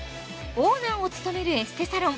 オーナーを務めるエステサロン